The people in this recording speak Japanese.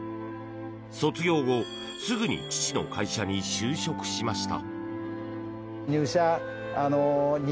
卒業後すぐに父の会社に就職しました。